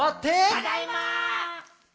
「ただいま！」